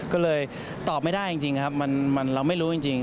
ก็เลยตอบไม่ได้จริงครับเราไม่รู้จริง